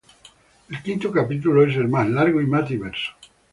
El quinto capítulo es el más largo y más diverso.